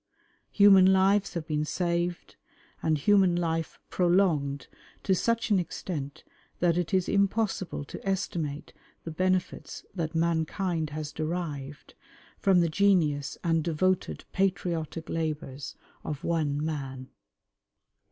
Human lives have been saved, and human life prolonged to such an extent that it is impossible to estimate the benefits that mankind has derived from the genius and devoted patriotic labours of one man.